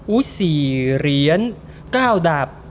อุ้ย๔เหรียญ๙ดาบ